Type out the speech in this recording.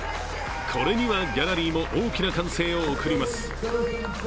これにはギャラリーも大きな歓声を送ります。